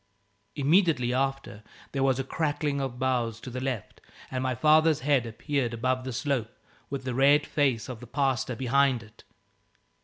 Immediately after, there was a crackling of boughs to the left and my father's head appeared above the slope, with the red face of the pastor behind it.